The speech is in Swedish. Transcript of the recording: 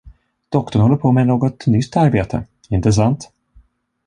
Doktorn håller på med något nytt arbete, inte sant?